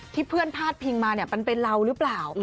ที่เพื่อนพาดพิงมามันเป็นเรารึเปล่า